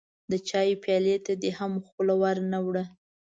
د چايو پيالې ته دې هم خوله ور نه وړه.